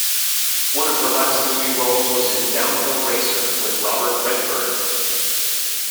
One of her last movie roles was in "Downhill Racer" with Robert Redford.